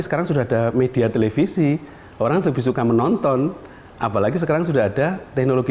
sekarang sudah ada media televisi orang lebih suka menonton apalagi sekarang sudah ada teknologi